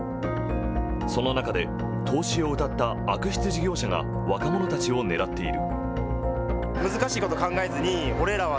その中で投資をうたった悪質事業者が若者たちを狙っている。